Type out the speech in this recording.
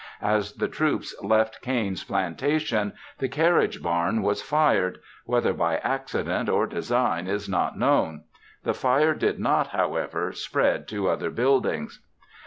As the troops left Cain's Plantation, the carriage barn was fired, whether by accident or design is not known. The fire did not, however, spread to other buildings.